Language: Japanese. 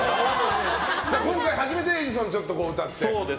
今回初めて「エジソン」歌ってという。